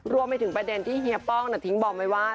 รวมไปถึงประเด็นที่เฮียป้องทิ้งบอมไว้ว่า